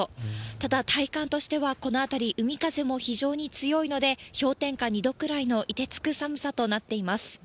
ただ、体感としてはこの辺り、海風も非常に強いので、氷点下２度くらいの凍てつく寒さとなっています。